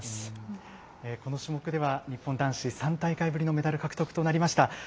この種目では日本男子、３大会ぶりのメダル獲得となりました。